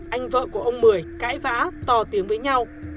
anh vợ của ông mười cãi vã to tiếng với nhau